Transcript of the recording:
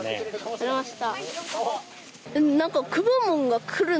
取れました。